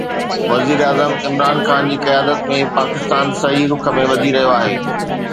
وزيراعظم عمران خان جي قيادت ۾ پاڪستان صحيح رخ ۾ وڌي رهيو آهي